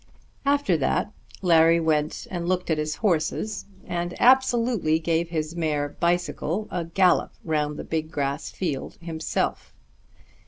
After that Larry went and looked at his horses, and absolutely gave his mare "Bicycle" a gallop round the big grass field himself.